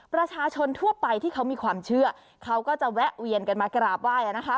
ประชาชนทั่วไปที่เขามีความเชื่อเขาก็จะแวะเวียนกันมากราบไหว้นะคะ